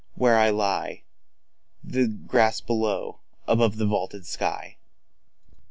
So let me lie,— The grass below; above, the vaulted sky.